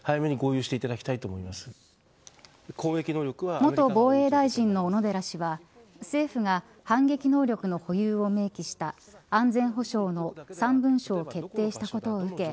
元防衛大臣の小野寺氏は政府が反撃能力の保有を明記した安全保障の３文書を決定したことを受け